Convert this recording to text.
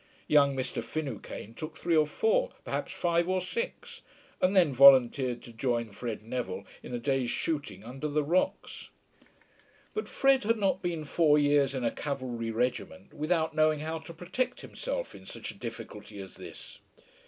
Young Mr. Finucane took three or four, perhaps five or six, and then volunteered to join Fred Neville in a day's shooting under the rocks. But Fred had not been four years in a cavalry regiment without knowing how to protect himself in such a difficulty as this.